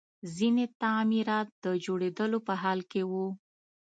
ځینې تعمیرات د جوړېدلو په حال کې وو